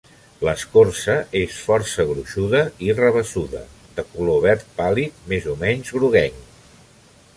L'escorça és força gruixuda i rabassuda, de color verd pàl·lid més o menys groguenc.